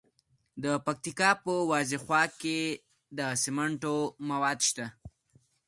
د پکتیکا په وازیخوا کې د سمنټو مواد شته.